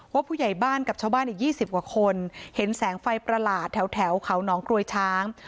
ผู้ใหญ่บ้านกับชาวบ้านอีก๒๐กว่าคนเห็นแสงไฟประหลาดแถวเขาน้องกรวยช้าง